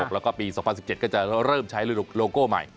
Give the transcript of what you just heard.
แล้วก็ปี๒๐๑๗ก็จะเริ่มใช้ฤดูโลโก้ใหม่